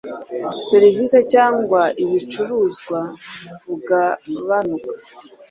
serivisi cyangwa ibicuruzwa bugabanuka .